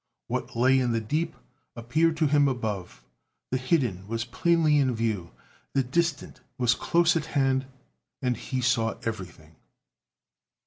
What lay in the deep appeared to him above, the hidden was plainly in view, the distant was close at hand, and he saw everything.